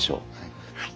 はい。